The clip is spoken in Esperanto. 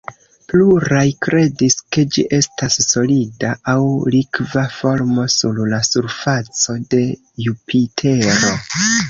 Pluraj kredis ke ĝi estas solida aŭ likva formo sur la surfaco de Jupitero.